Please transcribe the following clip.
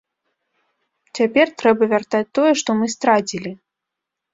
Цяпер трэба вяртаць тое, што мы страцілі.